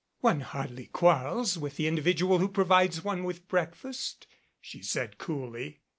"One hardly quarrels with the individual who pro vides one with breakfast," she said coolly.